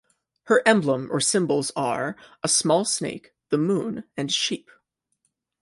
Her emblem or symbols are, a small snake, the moon and sheep.